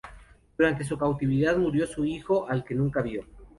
Durante su cautividad murió su hijo, al que nunca vio.